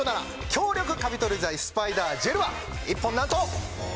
強力カビ取り剤スパイダージェルはなんと。